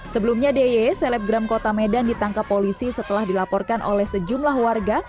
sebelumnya dy selebgram kota medan ditangkap polisi setelah dilaporkan oleh sejumlah warga